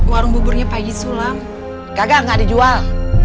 warung buburnya pagi sulam gagal nggak dijual